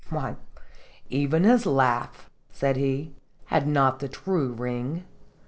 " Why, even his laugh," said he, " had not the true ring.